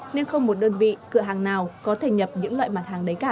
nên không một đơn vị cửa hàng nào có thể nhập những loại mặt hàng đấy cả